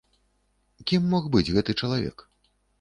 Кім мог быць гэты чалавек?